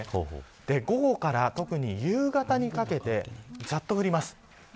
午後から、特に夕方にかけてざっと降ります。